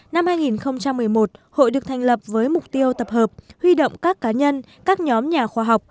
năm hai nghìn một mươi một hội được thành lập với mục tiêu tập hợp huy động các cá nhân các nhóm nhà khoa học